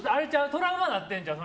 トラウマなってんちゃう？